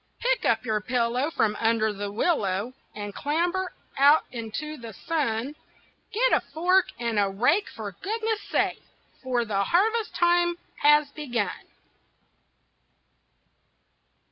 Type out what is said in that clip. Pick up your pillow from under the willow, And clamber out into the sun. Get a fork and a rake for goodness' sake, For the harvest time has begun.